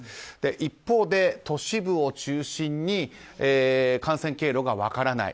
一方で、都市部を中心に感染経路が分からない。